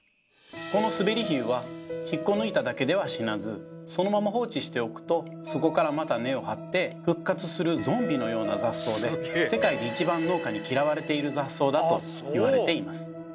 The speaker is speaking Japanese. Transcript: このスベリヒユは引っこ抜いただけでは死なずそのまま放置しておくとそこからまた根を張って復活するゾンビのような雑草で世界で一番農家に嫌われている雑草だといわれています。